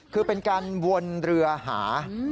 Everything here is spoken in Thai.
คือเป็นการวนเรือหา